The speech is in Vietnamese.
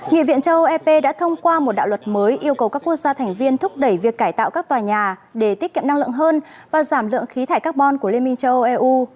nghị viện châu âu ep đã thông qua một đạo luật mới yêu cầu các quốc gia thành viên thúc đẩy việc cải tạo các tòa nhà để tiết kiệm năng lượng hơn và giảm lượng khí thải carbon của liên minh châu âu eu